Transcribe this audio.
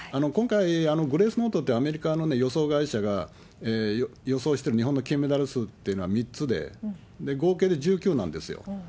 今回、ブレースノートっていうアメリカの予想会社が予想してる日本の金メダル数っていうのは３つで、合計で１９なんですよ。